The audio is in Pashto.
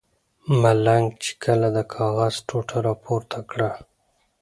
ملنګ چې کله د کاغذ ټوټه را پورته کړه.